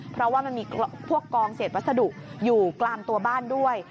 เพราะว่ามันมีพวกกองเศษวัสดุอยู่กลางตัวบ้านด้วย